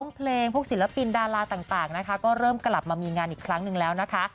เพลงพวกศิลปินดาราต่างนะคะก็เริ่มกลับมามีงานอีกครั้งหนึ่งแล้วนะคะ